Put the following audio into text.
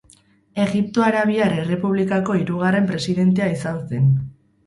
Egiptoko Arabiar Errepublikako hirugarren presidentea izan zen.